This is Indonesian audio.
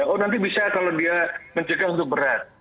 oh nanti bisa kalau dia mencegah untuk berat